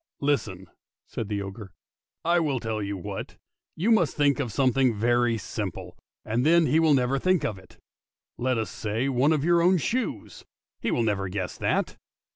" Listen! " said the ogre: " I will tell you what, you must think of something very simple, and then he will never think of it. Let us say one of your own shoes: he will never guess that.